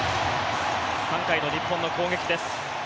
３回の日本の攻撃です。